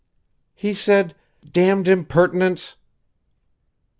"He said, 'Damned impertinence!'"